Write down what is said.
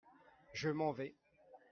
je m'en vais.